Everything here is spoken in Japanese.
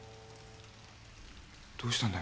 どうしたんだ？